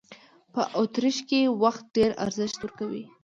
په اوترېش هېواد کې وخت ډېر ارزښت ورکوي.